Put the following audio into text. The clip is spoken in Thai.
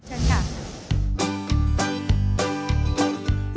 ฉันค่ะ